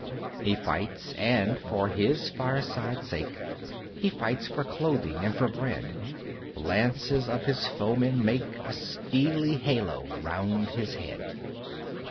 He fights, and for his fireside's sake; He fights for clothing and for bread: The lances of his foemen make A steely halo round his head.